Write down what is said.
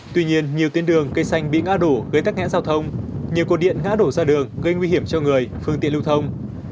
tuy nhiên nhiều tiên đường cây xanh bị ngã đổ gây tắc nghẽn giao thông nhiều cột điện ngã đổ ra đường gây nguy hiểm cho người phương tiện lưu thông